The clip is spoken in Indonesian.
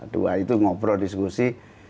dua itu ngobrol diskusi